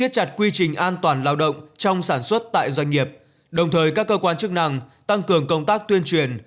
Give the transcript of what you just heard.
chặt quy trình an toàn lao động trong sản xuất tại doanh nghiệp đồng thời các cơ quan chức năng tăng cường công tác tuyên truyền